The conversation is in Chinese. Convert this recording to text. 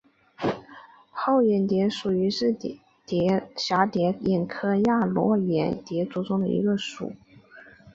泡眼蝶属是蛱蝶科眼蝶亚科络眼蝶族中的一个属。